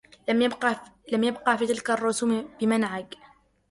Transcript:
لم يبق في تلك الرسوم بمنعج